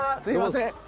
すいません。